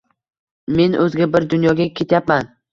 Men o‘zga bir dunyoga ketyapman